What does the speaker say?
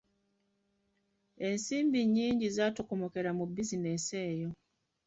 Ensimbi nnyingi ezaatokomokera mu bizinensi eyo.